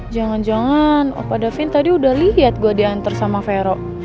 jangan jangan opa davin tadi udah liat gue diantar sama vero